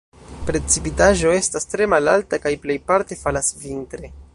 Precipitaĵo estas tre malalta kaj plejparte falas vintre.